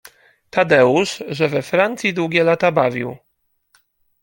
Tadeusz, że we Francji długie lata bawił